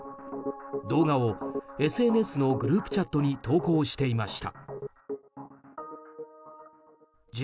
動画をＳＮＳのグループチャットに投稿していました。